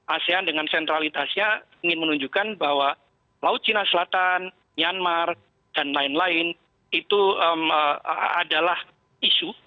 asean dengan sentralitasnya ingin menunjukkan bahwa laut cina selatan myanmar dan lain lain itu adalah isu